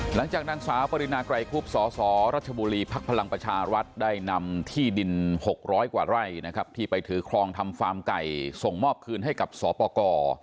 หลังจากนางสาวปรินาไกรคุบสสรัชบุรีภักดิ์พลังประชารัฐได้นำที่ดิน๖๐๐กว่าไร่นะครับที่ไปถือครองทำฟาร์มไก่ส่งมอบคืนให้กับสปกร